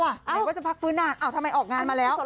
ไหนก็จะพักฟื้นนานทำไมออกงานมาแล้ว